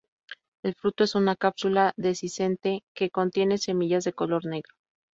El fruto es una cápsula dehiscente, que contiene semillas de color negro.